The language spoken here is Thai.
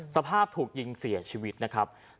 สภาพถูกยิงเสียชีวิตนะครับ